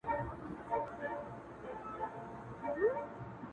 ما ستا لپاره په خزان کي هم کرل گلونه،